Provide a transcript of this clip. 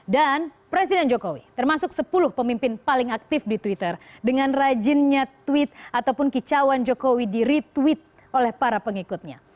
dan presiden jokowi termasuk sepuluh pemimpin paling aktif di twitter dengan rajinnya tweet ataupun kicauan jokowi di retweet oleh para pengikutnya